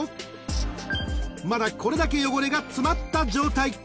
［まだこれだけ汚れが詰まった状態］